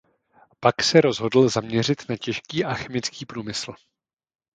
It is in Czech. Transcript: Pak se rozhodl zaměřit na těžký a chemický průmysl.